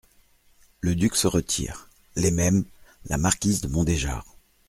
Le duc se retire. les mêmes , LA MARQUISE DE MONDÉJAR.